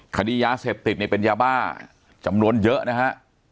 คดียาเสพติดเนี่ยเป็นยาบ้าจำนวนเยอะนะฮะ